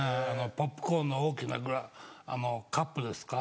ポップコーンの大きなカップですか